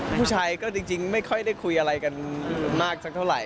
ผู้ชายก็จริงไม่ค่อยได้คุยอะไรกันมากสักเท่าไหร